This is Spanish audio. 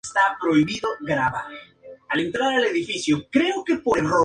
Sin embargo sólo llegó hasta la ronda final, quedando fuera de las nominaciones.